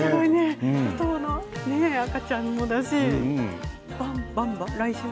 ２人の赤ちゃんもだしばんば、来週。